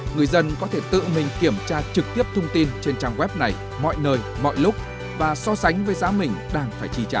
người dân có thể tự mình kiểm tra trực tiếp thông tin trên trang web này mọi nơi mọi lúc và so sánh với giá mình đang phải chi trả